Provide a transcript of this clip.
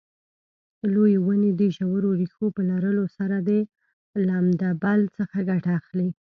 لویې ونې د ژورو ریښو په لرلو سره د لمدبل څخه ګټه اخلي.